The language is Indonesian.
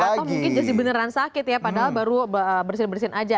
atau mungkin jadi beneran sakit ya padahal baru bersihin bersin aja